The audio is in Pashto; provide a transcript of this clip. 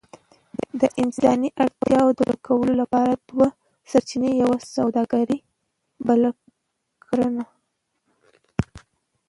د انساني اړتياوو د پوره کولو لپاره دوه سرچينې، يوه سووداګري بله کرنه.